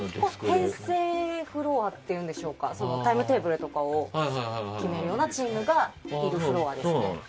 編成フロアっていうんでしょうかタイムテーブルとかを決めるようなチームがいるフロアですね。